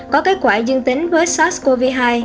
có kết quả dương tính với sars cov hai